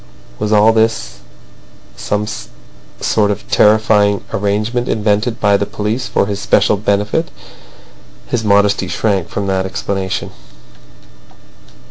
Was all this a some sort of terrifying arrangement invented by the police for his especial benefit? His modesty shrank from that explanation.